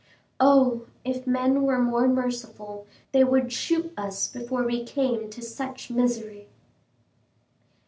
Oh! if men were more merciful, they would shoot us before we came to such misery.